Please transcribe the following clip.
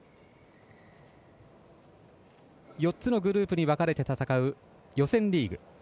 ４つのグループに分かれて戦う予選リーグ。